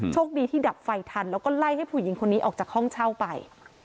โชคดีที่ดับไฟทันแล้วก็ไล่ให้ผู้หญิงคนนี้ออกจากห้องเช่าไป